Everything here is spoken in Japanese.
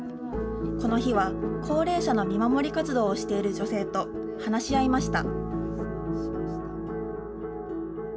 この日は、高齢者の見守り活動をしている女性と話し合いました。